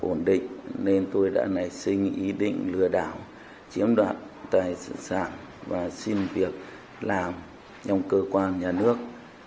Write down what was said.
ổn định nên tôi đã nảy sinh ý định lừa đảo chiếm đoạt tài sản và xin việc làm trong cơ quan nhà nước